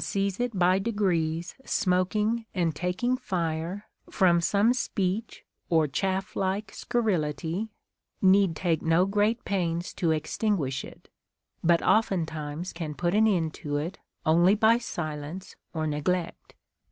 sees it by degrees smoking and taking fire from some speech or chafF like scurrility, need take no great pains to extinguish it, but oftentimes can put an end to it only by silence or neglect.